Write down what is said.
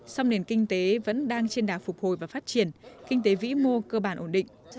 song nền kinh tế vẫn đang trên đà phục hồi và phát triển kinh tế vĩ mô cơ bản ổn định